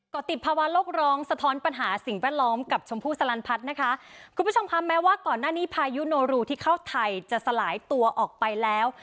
ก็ติดภาวะโลกร้องสะท้อนปัญหาสิ่งแวดล้อมกับชมพู่สลันพัฒน์นะคะคุณผู้ชมค่ะแม้ว่าก่อนหน้านี้พายุโนรูที่เข้าไทยจะสลายตัวออกไปแล้ว